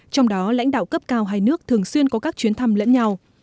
trong đó lãnh đạo cấp cao hai nước thường xuyên có các chuyến thăm lẫn nhau